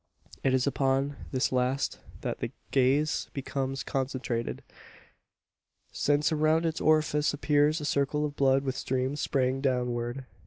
It is upon this last that the gaze becomes concentrated: since around its orifice appears a circle of blood with streams straying downward.